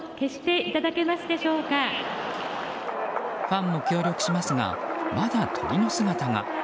ファンも協力しますがまだ鳥の姿が。